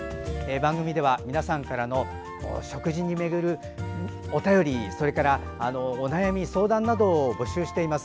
番組では皆さんからの食事を巡るお便りそれからお悩み相談などをお待ちしています。